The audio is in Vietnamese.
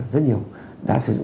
rất nhiều đã sử dụng